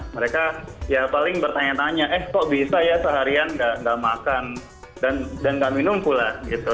mereka ya paling bertanya tanya eh kok bisa ya seharian nggak makan dan nggak minum pula gitu